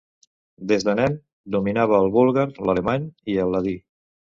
Des de nen, dominava el búlgar, l'alemany i el ladí.